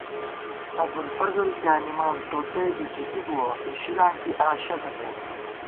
ابُوالفضل پیانِمان ، تو تئ بِژِکی بُوَہ اِشِلاں کی آں شکہ گئیم